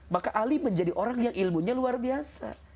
maka ali menjadi orang yang ilmunya luar biasa